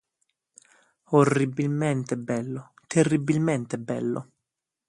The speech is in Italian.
Orribilmente bello, terribilmente bello!